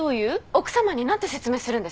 奥さまに何て説明するんですか？